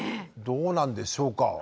どうなんでしょうか。